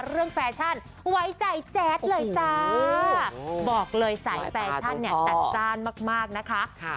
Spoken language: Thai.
แฟชั่นไว้ใจแจ๊ดเลยจ้าบอกเลยสายแฟชั่นเนี่ยจัดจ้านมากนะคะ